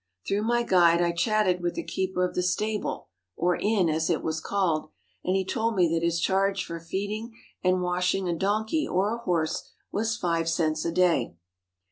Through my guide I chatted with the keeper of the stable, or inn, as it was called, and he told me that his charge for feeding and washing a donkey or a horse was five cents a day.